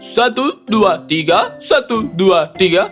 satu dua tiga satu dua tiga